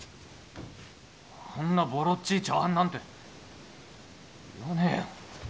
こんなボロっちい茶わんなんていらねえよ。